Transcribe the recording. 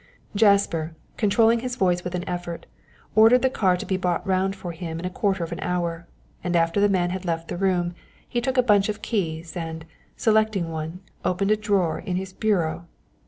Jasper, controlling his voice with an effort, ordered the car to be brought round for him in a quarter of an hour, and after the man had left the room, he took a bunch of keys, and, selecting one, opened a drawer in his bureau.